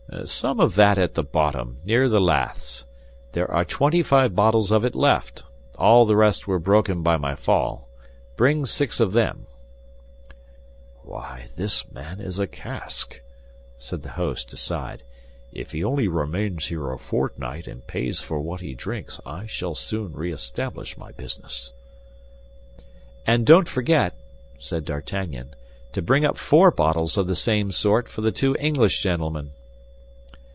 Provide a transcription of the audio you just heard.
"Some of that at the bottom, near the laths. There are twenty five bottles of it left; all the rest were broken by my fall. Bring six of them." "Why, this man is a cask!" said the host, aside. "If he only remains here a fortnight, and pays for what he drinks, I shall soon re establish my business." "And don't forget," said D'Artagnan, "to bring up four bottles of the same sort for the two English gentlemen."